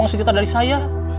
uang sejuta dari saya